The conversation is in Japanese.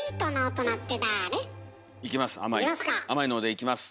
いきます。